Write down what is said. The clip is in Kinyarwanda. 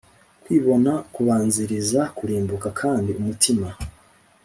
Kwibona kubanziriza kurimbuka Kandi umutima